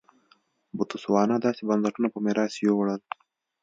بوتسوانا داسې بنسټونه په میراث یووړل.